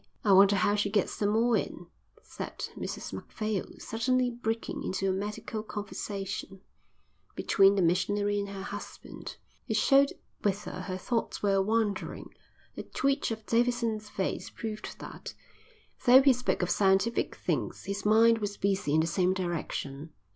"I wonder how she gets them all in," said Mrs Macphail, suddenly breaking into a medical conversation between the missionary and her husband. It showed whither her thoughts were wandering. The twitch of Davidson's face proved that, though he spoke of scientific things, his mind was busy in the same direction.